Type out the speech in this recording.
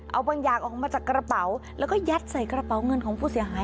เอาบางอย่างออกมาจากกระเป๋าแล้วก็ยัดใส่กระเป๋าเงินของผู้เสียหาย